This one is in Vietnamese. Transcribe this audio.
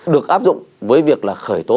được áp dụng với việc là khởi tố